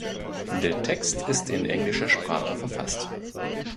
Der Text ist in englischer Sprache verfasst.